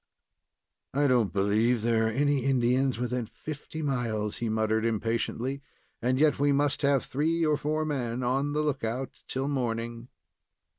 "I don't believe there are any Indians within fifty miles," he muttered, impatiently; "and yet we must have three or four men on the look out till morning.